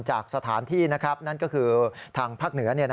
จากสถานที่นั่นก็คือทางภาคเหนือ